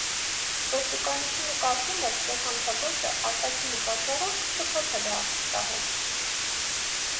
Ոստիկանությունը կարծում էր, որ հանցագործը, արտաքինի պատճառով, շփոթել է աղջկա հետ։